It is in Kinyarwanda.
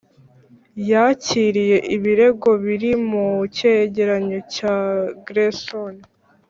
yakiriye ibirego biri mu cyegeranyo cya gersony